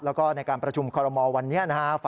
แล้วก็ในการประชุมคอรมอลวันนี้นะครับ